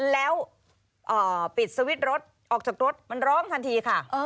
แล้วปิดสวิตช์รถออกจากรถมันร้องทันทีค่ะ